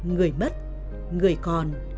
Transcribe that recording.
người mất người còn